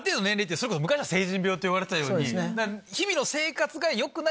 それこそ昔は成人病って言われてたように。